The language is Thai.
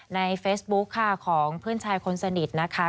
ในเฟซบุ๊คค่ะของเพื่อนชายคนสนิทนะคะ